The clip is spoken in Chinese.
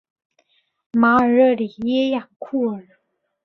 马尔热里耶昂库尔。